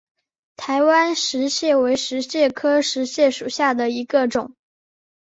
台湾石蟹为石蟹科石蟹属下的一个种。